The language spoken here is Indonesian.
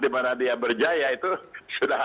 di mana dia berjaya itu sudah